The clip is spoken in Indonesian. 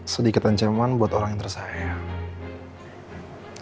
sedikit ancaman buat orang yang tersayang